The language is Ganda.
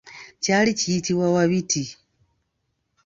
Kyali kiyitibwa Wabiti.